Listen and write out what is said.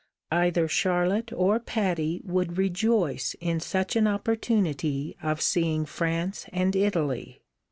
Either Charlotte or Patty would rejoice in such an opportunity of seeing France and Italy.